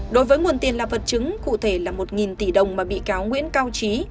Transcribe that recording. đối với nguồn tiền là vật chứng cụ thể là một tỷ đồng mà bị cáo nguyễn cao trí